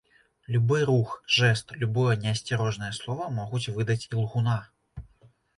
Любы рух, жэст, любое неасцярожнае слова могуць выдаць ілгуна.